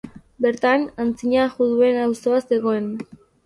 Bertan, antzina juduen auzoa zegoen.